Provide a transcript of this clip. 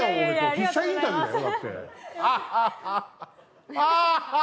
筆者インタビューだよ。